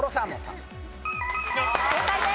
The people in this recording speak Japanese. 正解です。